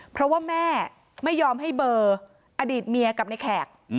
เพราะว่าแม่ไม่ยอมให้เบอร์อดีตเมียกับในแขก